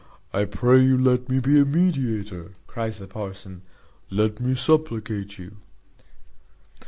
"I pray you let me be a mediator," cries the parson, "let me supplicate you."